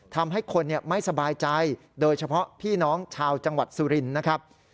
ทำให้คนไม่สบายใจโดยเฉพาะพี่น้องชาวจังหวัดสุรินทร์นะครับ